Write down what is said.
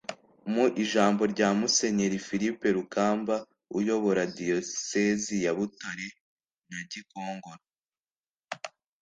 Mu ijambo rya Musenyeri Philippe Rukamba uyobora Diyosezi ya Butare na Gikongoro